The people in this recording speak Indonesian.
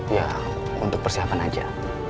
ya untuk persiapan aja